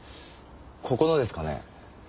ここのですかね？